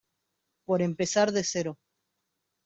por empezar de cero.